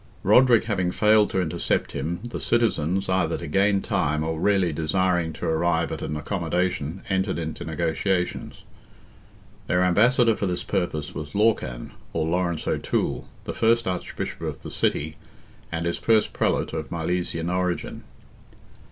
Roderick having failed to intercept him, the citizens, either to gain time or really desiring to arrive at an accommodation, entered into negotiations. Their ambassador for this purpose was Lorcan, or Lawrence O'Toole, the first Archbishop of the city, and its first prelate of Milesian origin.